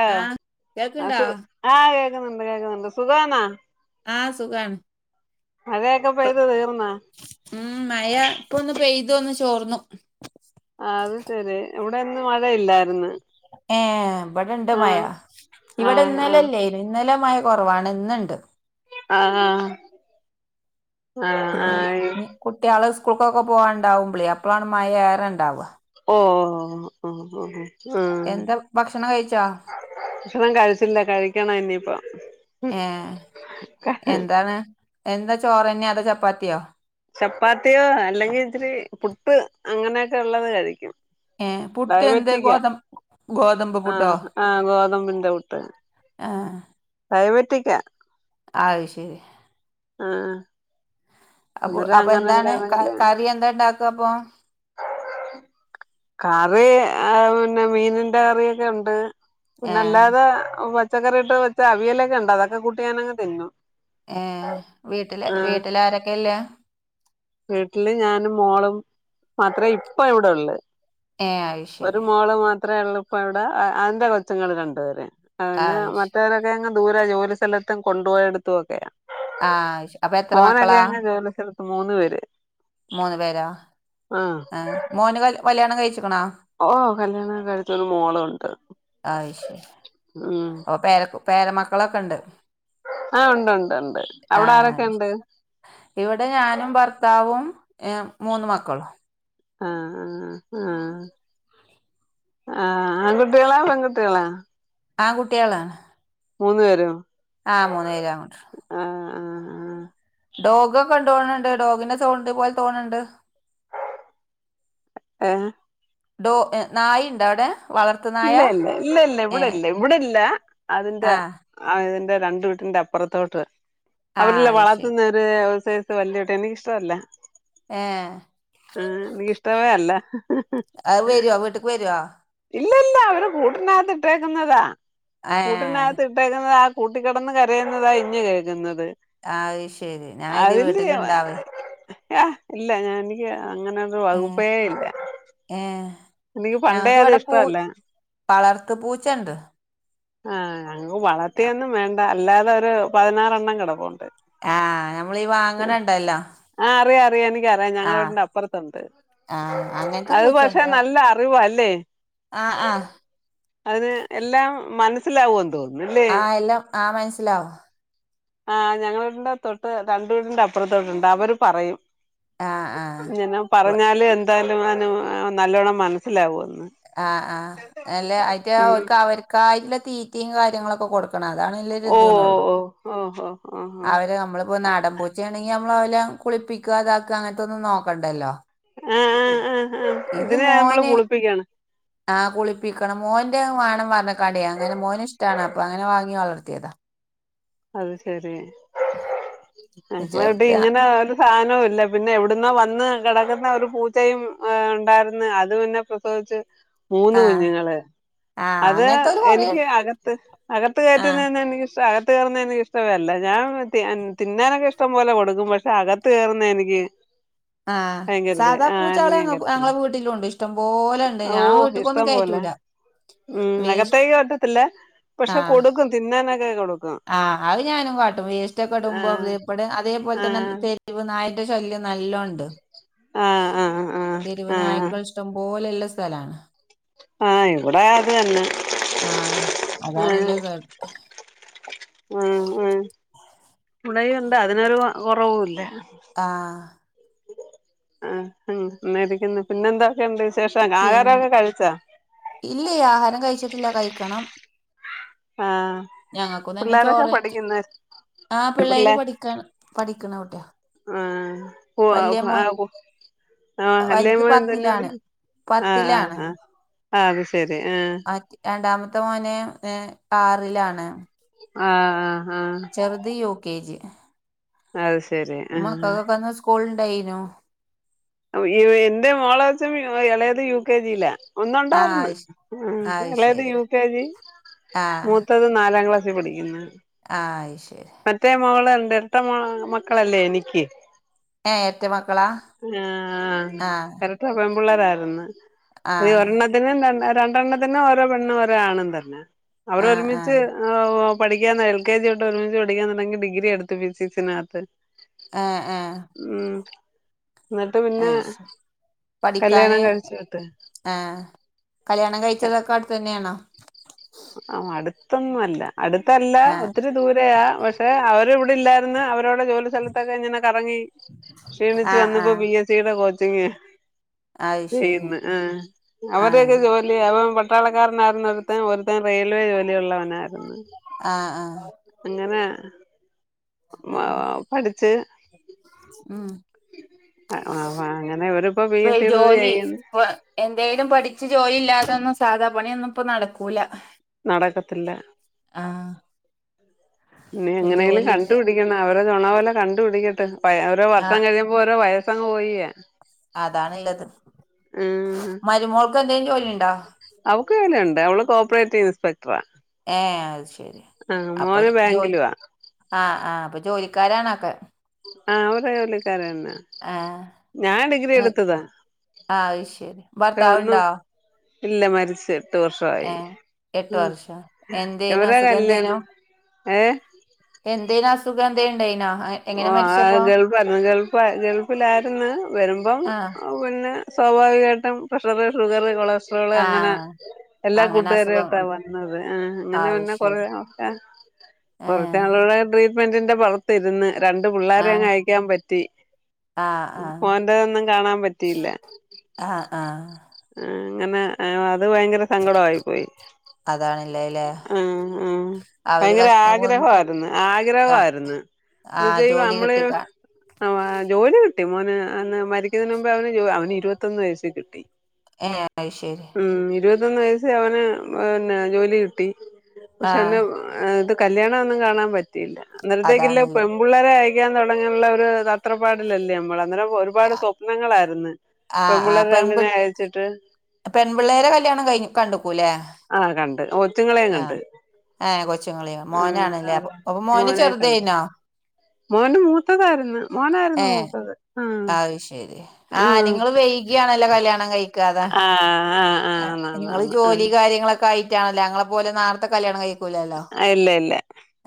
ആഹ് ആഹ് കേൾക്കുന്നുണ്ട് കേൾക്കുന്നുണ്ട് സുഖാണോ ആഹ് സുഖാണ്. മഴയൊക്കെ പെയ്ത് തീർന്ന് ഉം മയയാ ഇപ്പോ ഒന്ന് പെയ്ത ഒന്ന് ചോർന്നു. ആ അത് ശെരി ഇവിടെയന്ന് മഴയില്ലായിന്ന്. ഏഹ ഇവിടെ ഇണ്ട് മയാ ആ ഇവിടെ ആ ഇന്നലെ ഇല്ലായിരുന്നു. ഇന്നല മയ കൊറവാണ് ഇന്ന്ണ്ട്. ആഹ ആഹ കുട്ടികളെ സ്കൂൾക്കൊക്കെ പോവാറുണ്ടാവുപ്പോഴ് അപ്പളാണ് മയ ഏറെയിണ്ടാവുക. ഓഹ് ഓ ഹ് ഓഹ് ഓഹ് എന്താ ഭക്ഷണം കയിച്ചോ ഭക്ഷണം കഴിച്ചില്ല കഴിക്കണം ഇനിയിപ്പോ- ഏഹ് [unintelligible] എന്താണ് എന്താ ചോറ് തന്നെയാ അതോ ചപ്പാത്തിയോ? ചപ്പാത്തിയോ അല്ലെങ്കിൽ ഇത്തിരി പുട്ട് അങ്ങനെയൊക്കെയുള്ളത് കഴിക്കും ഏഹ് പുട്ട് എന്ത് ഡയബറ്റിക്ക ഗോതം ഗോതമ്പ് പുട്ടോ ആഹ് ആഹ ഗോതമ്പിന്റെ പുട്ട് ആഹ് ഡയബറ്റിക്കാ അത് ശരി ആഹ ആഹ് അപ്പൊ അപ്പൊ എന്താണ് ഏതെങ്കിലും കറി എന്താ ഇണ്ടാക്കുക അപ്പൊ- കറി പിന്നെ മീനിനിന്റെ കറിയൊക്കെയുണ്ട് പിന്നെ ഏഹ് അല്ലാതെ പച്ചക്കറിട്ട് വച്ച അവിയലൊക്കെയുണ്ട് അതൊക്കെ കൂട്ടി ഞാനങ്ങ് തിന്നും ഏ വീട്ടില് ആഹ് വീട്ടില് ആരൊക്കെ ഉള്ളെ വീട്ടില് ഞാനും മോളും മാത്രേ ഇപ്പ ഇവിടെ ഒള്ളു ഏ അത് ഒരു ശരി മകള് മാത്രേ ഉള്ളപ്പോ അവിടെ അതിന്റെ കൊച്ചുങ്ങൾ രണ്ട് പേര് പിന്നെ അത് ശരി മറ്റവരൊക്കെ അങ്ങ് ദൂരെ ജോലി സ്ഥലത്തും കൊണ്ടുപോയടെത്തുംയൊക്കെയാ ആ അത് ശരി. അപ്പൊ എത്ര മക്കളാ മോനൊക്കെ അങ്ങ് ജോലിസ്ഥലത്ത് മൂന്ന് പേരും മൂന്ന് പേരോ ആഹ് ആ മോന് [inaudible] കല്യാണം കഴിച്ചിക്കണ ഓ കല്യാണകഴിച്ചൊരു മോളുണ്ട് അത് ശരി ഉം. അപ്പൊ പേര പേരമക്കളൊക്കെ ഉണ്ട്. ആ ഉണ്ട് ഉണ്ട് ഉണ്ട് ആ അവിടെ ആരൊക്കെ അത് ശരി. ഉണ്ട്. ഇവിടെ ഞാനും ഭർത്താവും [inaudible] മൂന്ന് മക്കളും. ആ ആ ആ ആഹ് ആൺകുട്ടികളാ പെൺകുട്ടികളാ ആൺ കുട്ടികളാ മൂന്ന് പേരോ ആ മൂന്ന് കിലോമീറ്റർ. ആ ആ ആ ഡോഗൊക്കെണ്ട് തോന്ന്ണ്ട് ഡോഗിന്റെ സൗണ്ട് പോലെ തോന്ന്ണ്ട്. ഏ ഡോ നായി ഇണ്ട അവുടെ ഇല്ല ഇല്ല ഇല്ല ഇല്ല ഇവിടെ ഇല്ല ഇവിടെല്ല അതിന്റെ ആ ആ ഇതിന്റെ രണ്ട് വീട്ടിന്റെ അപ്പുറത്തോട്ട് ആ അവരല്ലേ അത് ശരി വളർത്തുന്നെ ഒരു സൈസ് വല്യോട്ട്. [unintelligible] ഏ ഹ് [unintelligible] അല്ല. വീട്ടക്ക് വരോ ഇല്ല ഇല്ല അവര് കൂട്ടനകത്ത് ഇട്ടേക്കുന്നതാ ഏ കൂട്ടിനകത്ത് [unintelligible] ആ കൂട്ടികിടന്ന് കരയുന്നതാ ഇഞ്ഞ് കേൾക്കുന്നത്. അഹ് ശരി ഞാൻ [unintelligible] വീട്ടിലുണ്ടാവേ ഏ ഇല്ല ഞാൻ എനിക്ക് അങ്ങനെ ഏഹ് വകുപ്പേ ഇല്ല. ഏഹ് എനിക്ക് പണ്ടേ ഞങ്ങക്ക് അത് ഇവിടെ ഇഷ്ട പൂ വളർത്ത് പൂച്ചണ്ട്. ആ അങ്ങ് വളർത്തിയൊന്നും വേണ്ട അല്ലാതെ ഒരു പതിനാറെണ്ണം കിടപ്പുണ്ട്. ആഹ് ഞമ്മളി വാങ്ങണ ഇണ്ടല്ലോ ആ അറിയാ അറിയാം എനിക്ക് അറിയാം ഞങ്ങളെ വീടിന്റെ അപ്പുറത്തുണ്ട്. ആഹ് അങ്ങനത്തെ അഹ് പക്ഷെ നല്ല അറിവാല്ലേ ആ ആ അതിന് എല്ലാം മനസ്സിലാവുന്തൊ ആ എല്ലാം ആ മനസ്സിലാവും. ആ ഞങ്ങളെ വീടിന്റെ തൊട്ട് രണ്ട് വീടിന്റെ അപ്പുറത്തൊട്ട്ണ്ട് അവര് പറയും. ആഹ് ആഹ് ഇങ്ങനെ വ പറഞ്ഞാല് എന്തായാലും അന് നല്ലോണ്ണം മനസ്സിലാവൂന്ന്. ആ ആ അല്ല അയിട്ട് ഉം അവർക്ക് അവർക്കായിട്ടുള്ള തീറ്റയും കാര്യങ്ങളൊക്കെ കൊടുക്കും. ക്ക്ണ്അതാണെല്ലൊരു ഇത് ഓഹ് ന്നൊള്ളു ഓഹ് ഓഹ് ഓഹ് ഓഹ് ഓഹ് അവര് ഞമ്മള്പ്പൊ ഒര് നാടൻ പൂ ച്ചാണെങ്കി മ്മളോലെ കുളിപ്പിക്കാ ദാക്കാ അങ്ങനതൊന്നും നോക്കണ്ടല്ലൊ ആ ആ ആ ഇത് മോന് ആ കുളിപ്പിക്കണം. മോന്റെ വേണം പറഞ്ക്കാണ്ടേ അങ്ങനെ മോന്ഷ്ടാണ് അപ്പങ്ങനെ വാങ്ങി വളർത്തിയതാ. അത് ശരി ഞങ്ങളെടി ചെറുത ഇങ്ങനായാലും സാനോല്ലാ എവ്ട്ന്നാ വന്ന് കിടക്ന്നൊരു പൂച്ചയും ണ്ടായിര്ന്ന് അത് പിന്നെ അജ് മൂന്ന് ആഹ് കുഞ്ഞുങ്ങള്. ആഹ് അത് അങ്ങനത്തോല് കൊറേ എനിക്ക് അകത്ത് അകത്ത് ആഹ് കയ്റ്റ്ന്നേന്ന്നിക്ക് ഇഷ് [unintelligible] അകത്ത് കേറ്ന്നേന്ന് എനിക്ക്ഷ്ടമല്ല ഞാൻ തിന്നാനൊക്കെ ഇഷ്ടം പോലെ കൊടുക്കും. പക്ഷെ അകത്ത് കേറുന്നെനിക്ക് ആ സാധാ എനിക്ക് പൂച്ചളേം ഞാൻ ങ്ങക്ക് കേറ്റത്തില്ല ഞങ്ങളെ വീട്ടിലുംണ്ട് ഇഷ്ട ഇഷ്ടംപോലെണ്ടയിനി ഓ ഞാൻ വീട്ട്ക്കൊന്നും ഇഷ്ടം പോലെ കെയാറ്റൂല ഉം അകത്തേക്ക് കയറ്റത്തില്ല പക്ഷെ കൊടുക്കും. തിന്നാനൊക്കെ കൊടുക്കും. ആ അഹ് ഞാനും കാട്ടും ആ വേസ്‌റ്റൊക്കിടുമ്പോ [unintelligible] അതേ ആ പോലത്തന്നെ തെര് വ്നായന്റെ ശല്യം നല്ലോണ്ട് ആ ആ ആ തെര് വ് ആ നായ്ക്ക നായ്ക്കള്ഷ്ടംപോലെല്ല സ്ഥലാണ് ആഹ് ഇവിടത് തന്നെ ആഹ് ആഹ അതാണല്ലോ കേട് ഏഹേ ഏഹേ ഇവടേം ഇണ്ടതിനൊരു കൊറവൂല്ല ആഹ്.. ആഹ് മേബിക്കെന്ന പിന്നെന്തക്കെയിണ്ട് വിശേഷം ആഹാരൊക്കെ കഴിച്ചൊ? ഇല്ല്യേ ആഹാരം കയ്ച്ചിട്ടില്ല കഴിക്കണം ആഹ് ഞങ്ങക്കും തന്നെ പിള്ളേരൊക്കെ ചോറ് പഠിക്കുന്ന ആഹ് പിള്ളേര് പഠിക്കാണ് പഠിക്ണ കുട്ടിയ [unintelligible] ആഹ ആഹ് വലുത് ആഹ് പത്തിലാണ് അ പത്തിലാണ് അത് ശെരി ആഹാ രണ്ടാമത്തെ മോന് ഹ് ആറിലാണ് ആഹ് ഹ ഹാ ചെറുത് യുകെജി അത് ശെരി ആഹ് മക്കക്കൊക്കെന്ന് സ്ക്കൂള്ണ്ടായ്നു അയോ എന്റെ മോളെ കൊച്ചും എളേത് യുക്കെജിലാ ആ ഒന്നുണ്ടാർന്ന് അത് ശ- ഏഹ് ആ, അത് എളേത് ശരി യുകെജി ആ മൂത്തത് നാലാംക്ലാസ്സില് പഠിക്ക്ന്ന് ആഹ് അയ്ശെരി മറ്റേ മോള്ണ്ട് എരട്ട മാമക്കളല്ലെനിക്ക്? ഏഹേ എരറ്റമക്കളാ? ആഹ് ഏരട്ട പെമ്പ്ള്ളായിര്ന്ന് ആ അതീഒരണ്ണത്തി ത്തിനും രണ്ട് രണ്ടെണ്ണത്തിനും ഓരോ പെണ്ണും ഒരാണും തന്നെ ആ ആ അവരൊരുമിച്ച് ഓ പഠിക്കാന്നെ എൽ കെ ജി തൊട്ട് ഒരുമിച്ച് പഠിക്കാ തൊടങ്ങി ഡിഗ്രി എട്ത്ത് ഫിസിക്സിനകത്ത്. ആഹ് ഹേ മ്മ്ഹ് അയ്ശെരി പഠിക്കാന് കല്യാണം കഴിച്ചു വിട്ട് ഏഹേ കല്യാണം കഴിച്ചതൊക്കവ്ട്തെന്നെയാണോ? ആ അടുത്തൊന്നുവല്ല അടുത്തല്ല ആ ഒത്തിരി ദൂരെയാ പക്ഷെ അവര് ഇവിടെല്ലായിര്ന്ന് അവരോടെ ജോലി സ്ഥലത്തൊക്കെങ്ങനെ കറങ്ങി ക്ഷീണിച്ച് ആ ആ വന്നപ്പോ പി എ സി ടെ കോച്ചിങ് അത് ശരി ചെയ്യ്ന്ന് ആഹാ ആ അവരെയൊക്കെ ജോ ല്ല്യേ അവൻ പട്ടാളക്കാരനാർന്നു ഒരുത്തൻ ഒരുത്തൻ റെയിൽവേ ജോലിഉള്ളവനായിരുന്നു. ആഹ് ആഹ് അഹ് അങ്ങനെ ആഹ് പഠിച്ച് ഉം അഹ് ഓ ഹാ അങ്ങനെവരിപ്പോ പി എ സ്ടെത് ചെയ്യ്ന്ന്. എന്തെേലും പഠിച്ച് ജോലില്ലാതൊന്നും സാധാ പണ്യൊന്നുപ്പ നടക്കൂല. നടക്കത്തില്ല. ആഹ്. ഇനി ഇപ്പൊ എങ്ങനേലും ജോലിക്ക് കണ്ടുപിടിക്കണം അവരെ തൊണ പോലെ കണ്ടുപിടിക്കട്ടെ അവരെ വർഷം ആഹ് കഴിയും മ്പോ ഓരോ വയസ്സങ്ങ് പോയിയാ അതാണ്ല്ലത്. മ് ഹ് മരുമോൾക്കെന്തേം ജോലിണ്ടോ? അവക്ക് ജോലിയുണ്ട്, അവള് കോപ്പറേറ്റീവ് ഇൻസ്പെക്ടറാ. ഏഹേ അഹ് ശെരി, ആഹ് അപ്പൊ മോന് ജോലി ബാങ്കിലുവാ ആഹ് ആഹ് അപ്പൊ ജോലിക്കാരാണൊക്കെ. ആഹ് അവര് ജോലിക്കാരെന്നാ ആഹ് ഞാ ഡിഗ്രിയെട്ത്തതാ. ആഹ് അയ്ശെരി ഭർത്താവ്ണ്ടോ? ഇല്ല മരിച്ച്. പത്ത് വർഷവായി ഏഹ് എട്ട് ഉം വർഷം എന്തേനു എവരെ അസുഖം കല്ല്യാണം ഏഹ് എന്തേനസുഖന്തേണ്ടായിനാ അങ്ങ ഓ ആഹ് ഗൾഫായിര്ന്ന് ഗൾഫ് ഗൾഫിലായിര്ന്ന് വരുമ്പം ആഹ് അപ്പ പിന്നെ സ്വാഭാവികായിട്ടും പ്രെഷറ് ഷുഗറ് കൊളസ്ട്രോള് അങ്ങനെ ആഹ് എല്ലാ അങ്ങനെ കൂട്ടുകാരായിട്ടാ അസുഖം വന്നത് ആഹ് അങ്ങനെ അത് പിന്നെ ശരി. കൊറേ നാളൊക്കെ കൊറച്ച് ഏഹ്. നാളോള് ട്രീറ്റ്മെന്റിന്റെ പൊറത്തിര്ന്ന് രണ്ട് ആഹ്. പിള്ളാരെയങ്ങയക്കാൻ പറ്റി. ആഹ് ആഹ്. മോൻ്റതൊന്നും കാണാൻ പറ്റിയില്ല ആഹ് ആഹ് ആഹ് അങ്ങനെ അത് ഭയങ്കര സങ്കടവായി പോയി. അതാണില്ലേലേ ആഹ് ആഹ് ഭയങ്കര ആഗ്രഹവായിരുന്ന് ആഹ് ആഗ്രഹവായിരുന്ന് എന്ന് ആഹ് വെച്ചാ ജോലി അമ്മള് ഈ കിട്ടിക്കാ ആ ജോലി കിട്ടി മോന് അന്ന് മരിക്കുന്നതിന് മുമ്പേ അവന് അവന് ഇരുപത്തൊന്ന് വയസ്സീ കിട്ടി. ഏഹ് അയ്ശെരി. ഉം ഇരുപത്തൊന്ന് വയസ്സീ അവന് പിന്നെ ജോലി കിട്ടി പക്ഷെ ആഹ് അന്ന് ആഹ് ഇത് കല്യാണവൊന്നും കാണാൻ പറ്റിയില്ല അന്നരത്തേക്കില്ല പെ അതാണുള്ളത്. പുള്ളേരെ അയക്കാൻ തൊടങ്ങ്ള്ള ഒര് തത്രപ്പാടിലല്ലേ അമ്മൾ അന്നേരം ഒര് ഒരുപാട് സ്വപ്നങ്ങളാരിന്ന് ആഹ് ആഹ് പെമ്പുള്ളാര് പെൺപി രണ്ടിനെ അയച്ചിട്ട് പെൺപിള്ളേരെ കല്യാണം കഴി കണ്ട്ക്കൂല്ലേ. ആഹ് കണ്ട് ഓ കൊച്ചുങ്ങളേം കണ്ട് ആഹ്. ഏഹ് കൊച്ചുങ്ങള് മോനാണല്ലേ അപ്പൊ ആഹ് അപ്പൊ മോന് മോനെ കണ്ട്. ചെറുതേനോ? മോന് മൂത്തതായിര്ന്ന് മോനായിര്ന്ന് മൂത്തത് ആഹ്. അയ്ശെരി. ആഹ് നിങ്ങള് വൈയ്കിയാണല്ലോ കല്യാണം കഴിക്കാ അതാ ആഹ് ആഹ് ആഹ് ആന്ന് ആന്ന് നിങ്ങള് ജോലി ആന്ന് കാര്യങ്ങളൊ ക്കായിട്ടാണല്ലോ ഞങ്ങളെ പോലെ നാര്ത്തേ കല്ല്യാണം കഴിക്കൂലാല്ലോ. ആഹ് ഇല്ല ഇല്ല.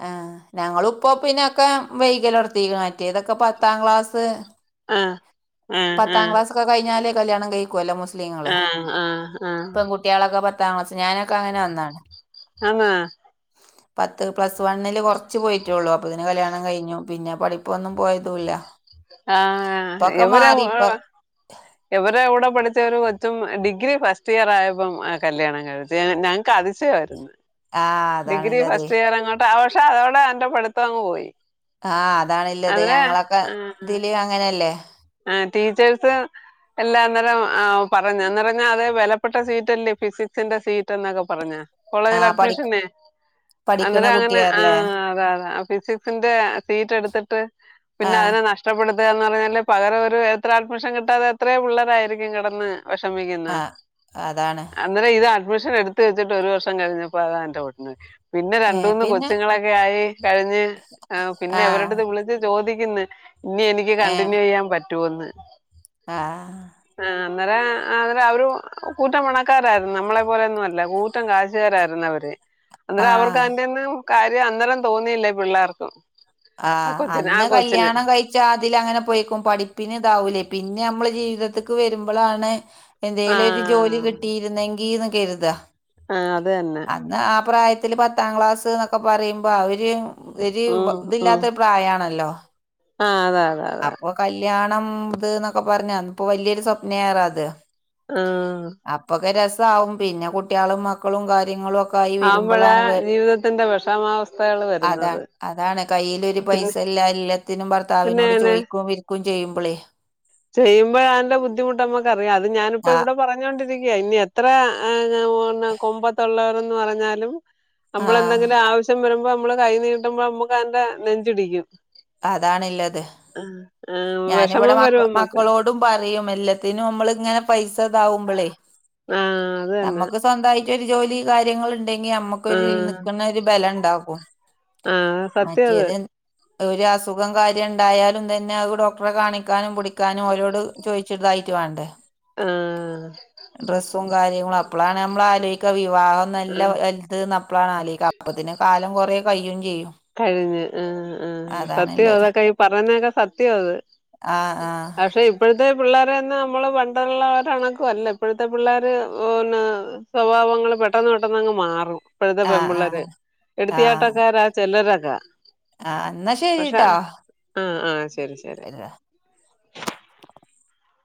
ആഹ് ഞങ്ങളൂപ്പോ പിന്നൊക്കെ വൈയ്കലടത്തീക്ക്ണ് മറ്റേതൊക്കെ പത്താം ക്ലാസ് ആഹ് ആഹ് പത്താം ആഹ് ക്ലാസൊക്കെ കഴിഞ്ഞാല് കല്ല്യാണം കഴിക്കുവല്ല മുസ് മുസ്ലീങ്ങള് ആഹ് ആഹ് ആഹ് പെങ്കുട്ട്യേളൊക്കെ പ ത്താം ക്ലാസ് ഞാനൊക്കങ്ങനെ വന്നാണ് ആന്നാ പത്ത് പ്ലസ് വണ്ണില് കൊറച്ച് പോയിറ്റോള്ളൂ അപ്പൊത്തിന് കല്യാണം കഴിഞ്ഞു പിന്നെ പഠിപ്പൊന്നും പോയതൂല്ല്യ. ആഹ് എവര് വൊ ആഹ് എവരെ എവിടെ പഠിച്ച ഒരു കൊച്ചും ഡിഗ്രി ഫസ്റ്റ് ഇയർ ആയപ്പം കല്യാണം കഴിഞ്ഞ് തേ ഞങ്ങക്ക് അതിശയവായിര്ന്ന് ആഹ് ഡിഗ്രി അതാണ്ല്ലതേ ഫസ്റ്റ് ഇയർ അങ്ങോ പവഷവള് അൻ്റെ പഠിത്തവങ്ങ് പോയി. ആഹ് അതാണുള്ളത് അതിന് ഞങ്ങളൊക്കെ ഇതില് അങ്ങനെയല്ലേ? ആ ടീച്ചേഴ്സ്. എല്ലാ അന്നേരം ആ പറഞ്ഞന്നറഞ്ഞാ അത് വിലപ്പെട്ട സീറ്റ്ല്ലേ ഫിസിക്സിന്റെ സീറ്റ് എന്നൊക്കെ പറഞ്ഞ. കോളേജിലെ ആഹ് പഠി അഡ്മിഷനെ പഠിക്കണ അന്നേരം അങ്ങനെ കുട്ടിയാർല്ലേ ആഹ് അതാ അതെ ഫിസിക്സിന്റെ സീറ്റ് എടുത്തിട്ട്. പിന്നെ ആഹ് അതിന് നഷ് നഷ്ടപ്പെടത്തുകന്ന് പറഞ്ഞാല് പകരം ഒരു എത്ര അഡ്മിഷൻ കിട്ടാതെ എത്രയും പിള്ളരായിരിക്കും കിടന്ന്. വേഷമിക്കുന്നെ ആഹ് അതാണ് അ അന്നേരം ഇത് അഡ്മിഷൻ എടുത്ത് വെച്ചിട്ട് ഒരു വർഷം കഴിഞ്ഞപ്പോ അതാ എന്റെവോട്ടിനോയി പിന്നെ ഏഹ് രണ്ടൂന്ന് പിന്നെ കൊച്ചുങ്ങളൊക്കെ ആയി കഴിഞ്ഞ് പിന്നെ ആഹ് അവരടുത്ത് വിളിച്ച്. ചോദിക്കുന്നെ ഇനി എനിക്ക് ഏഹ് കണ്ടിന്യൂ ചെയ്യാൻ പറ്റൊന്ന്. ആഹ് ആഹ് അന്നേര അന്ന അവര് ഒരു കൂറ്റപ്പണക്കാരായിരുന്നു നമ്മളെ പോലെയൊന്നും അല്ല പൂ ത്തൻ കാശ്കാരായിരുന്നു അവര് അന്നേരം അവർക്ക് ആഹ് അയ്ന്റൊന്നും കാര്യം അന്നേരം തോന്നിയില്ല ഈ പിള്ളേർക്ക്. ആഹ് അന്ന് കല്ല്യാണം കഴ് ച്ച് ആ അതില് അങ്ങനെ പോയ്ക്കും പഠിപ്പിന് ഇതാവൂലേ പിന്നെ നമ്മള് ജീവിതത്തിക്ക് വരുമ്പോളാണ് ആ എന്തേലും ഒരു ജോലി കിട്ടിയിരുന്നെങ്കിൽന്ന് കരുതാ ആ അത് തന്നെ അന്ന് ആ പ്രായത്തി ഇതിൽ പത്താം ക്ലാസ് എന്നൊക്കെ പറയുമ്പോ അവര് ഒര് ഉം ഇതില്ലാത്ത പ്രായണല്ലോ? ആഹ് അതെ അതെ അതെ. കല്ല്യാണം ഇത് നൊക്കെ പറഞ്ഞ അന്ന് പ്പൊ വലിയൊരു സ്വപ്ന ആണ് അത്. ആഹ്. അപ്പൊക്കെ രസാവും പിന്നെ കുട്ടികളും മക്കളും കാര്യങ്ങളുംക്കെ ക്കെ ആയി ആവുമ്പഴാ വരുമ്പോളാണ് ജീവിതത്തിന്റെ വിഷമാവസ്ഥകൾ അതാ വരുന്നത് അതാണ് കൈയിൽ ഇ പിന്നെ പൈസ ഇല്ല എല്ലത്തിനും ഭർത്താവിനോട് പിന്നെനെ ചോദിക്കയും വിരിക്കും ചെയ്യുമ്പള്. ചെയ്യുമ്പോ അയ്ന്റെബുദ്ധിമുട്ട് നാമ്മുക്കറി യാം അത് ഞാനിപ്പോ ആഹ് ഇവിടെ പറയാ പറഞ്ഞൊണ്ടിരിക്കയ ഇനി എത്ര ആ ഞൻ പറ കൊമ്പത്തുള്ളവർന്ന് പറഞ്ഞാലും. ആഹ് നമ്മളെന്തെങ്കിലും ആവശ്യം വരുമ്പോ നമ്മള് കൈ നീട്ടുമ്പോ നമ്മുക്ക് അതിന്റെ നെഞ്ചിടിക്കും. അതാണ്ള്ളത് ആഹ് ആഹ് ഞാനിവിടെ വെഷമം മക്ക വരും. നമ്മക്ക് മക്കളോടും പറയും എല്ലാത്തിനും നമ്മള് ഇങ്ങനെ പൈസ, ഇതാവുമ്പള് ആ അത് തന്നെ നമുക്ക് സ്വന്തമായിട്ട് ഒരു ജോലി കാര്യങ്ങൾ ഇണ്ടെങ്കിൽ നമു ആ ഒര് നിക്ക്ണ ഒരു ബലം ഉണ്ടകും ആ സത്യം അത് മറ്റേത്. ഒരു അസുഖം കാര്യം ഉണ്ടായാലും തന്നെ അത് ഡോക്ടറെ കാണിക്കാനും പടിക്കാനും ഓലോട് ചോദിച്ച്തായി. ട്ട് വാണ്ടേ ആഹ് ഡ്രസ്സും കാര്യങ്ങളും അപ്പോളാണ് നമ്മൾ ആലോയ്ക്ക വിവാഹം നല്ല ആ വാ ഇത് ന്ന് അപ്പളാണ് ആലോയ്ക്ക അപ്പത്തിന് കാലം കുറേ കയ്യും ചെയ്യും. കഴിഞ്ഞ് ആഹ് ആഹ് സത്യം അതാണ്ള്ളത് അതൊക്കെ ഈ പറന്നൊക്കെ സത്യോ അത്. ആഹ് ആഹ്. പക്ഷെ ഇപ്പോഴത്തെ പിള്ളേരെന്ന് നമ്മള് പണ്ടതുള്ളവരെ ഇണക്കല്ല ഇപ്പോഴത്തെ പിള്ളേർ ഓന്ന സ്വഭാവങ്ങൾ പെട്ടെന്ന് പെട്ടെന്ന് അങ്ങ് മാറും ഇപ്പോഴത്തെ പെൺ ആഹ് പിള്ളര് ആഹ് ആഹ് എടുത്തിചാട്ടക്കാര ചെലരൊക്കെ ആഹ് എന്നാ പക്ഷെ ശരിട്ടോ ആഹ് ആഹ് ശരി ശരി.